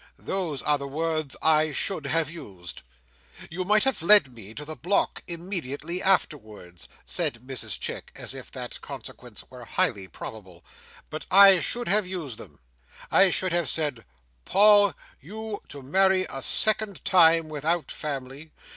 Those are the words I should have used. You might have led me to the block immediately afterwards," said Mrs Chick, as if that consequence were highly probable, "but I should have used them. I should have said, 'Paul! You to marry a second time without family!